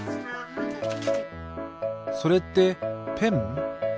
それってペン？